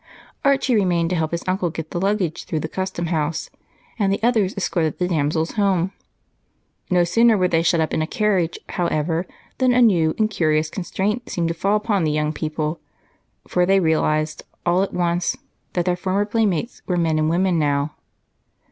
Archie remained to help his uncle get the luggage through the Custom House, and the others escorted the damsels home. No sooner were they shut up in a carriage, however, than a new and curious constraint seemed to fall upon the young people, for they realized, all at once, that their former playmates were men and women now.